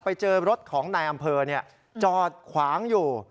ไปเจอรถของนายอำเภอจอดขวางอยู่